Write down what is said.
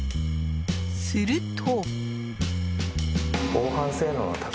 すると。